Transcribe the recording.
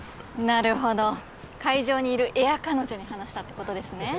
なるほど会場にいるエア彼女に話したってことですね